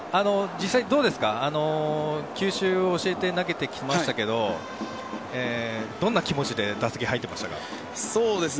球種を教えて投げてきてましたけどどんな気持ちで打席に入っていましたか？